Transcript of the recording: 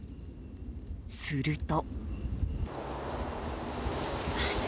すると。